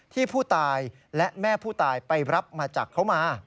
ที่ผู้ตายและแม่ผู้ตายไปรับมาจากเขามา